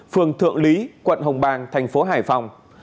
phường thượng lý quận hồng bàng tp hải phòng